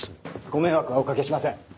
ご迷惑はお掛けしません。